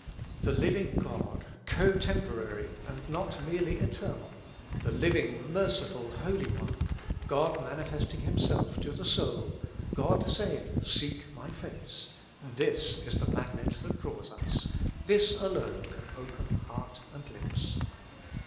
The living God, cotemporary and not merely eternal,^ the living, merciful Holy One, God manifesting Himself to the soul, God saying, " Seek my face ;" this is the magnet that draws us, this alone can open heart and lips.